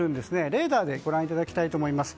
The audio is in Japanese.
レーダーでご覧いただきたいと思います。